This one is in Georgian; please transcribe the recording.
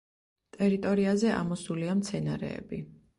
ტერიტორიაზე ამოსულია მცენარეები.